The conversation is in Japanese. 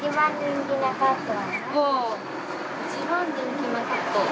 一番人気のカット。